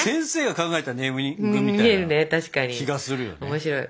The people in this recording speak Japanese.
面白い。